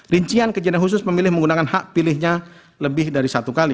rincian kejadian khusus memilih menggunakan hak pilihnya lebih dari satu kali